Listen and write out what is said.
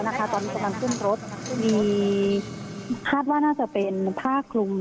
ตอนนี้กำลังขึ้นรถมีคาดว่าน่าจะเป็นผ้าคลุม